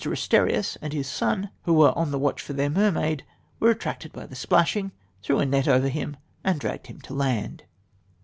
Asterias and his son, who were on the watch for their mermaid, were attracted by the splashing, threw a net over him, and dragged him to land."